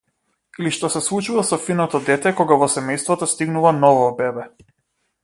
Или што се случува со финото дете кога во семејството стигнува ново бебе.